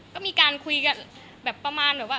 ก็มีการคุยกันแบบประมาณแบบว่า